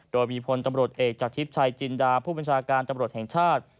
โดยมีพลตำรวจเอกจากทิพย์ชัยจินดาผู้บัญชาการตำรวจแห่งชาติ